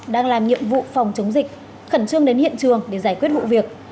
đang làm nhiệm vụ phòng chống dịch khẩn trương đến hiện trường để giải quyết vụ việc